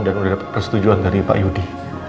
dan udah dapet persetujuan dari pak yudi